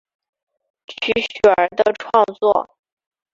区雪儿的创作。